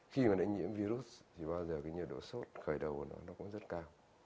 khi mà đã nhiễm virus thì bao giờ cái nhiệt độ sốt khởi đầu của nó cũng rất cao